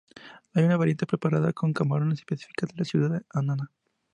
Hay una variante preparada con camarones, específica de la ciudad de Annaba.